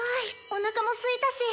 おなかもすいたし。